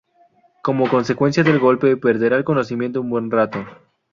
Como consecuencia del golpe, perderá el conocimiento un buen rato.